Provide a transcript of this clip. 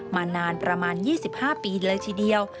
มานานประมาณ๒๕ปีเลยทีเดียว